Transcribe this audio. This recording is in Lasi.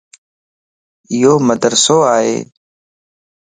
ايو مدرسو ائي